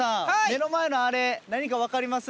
目の前のあれ何か分かります？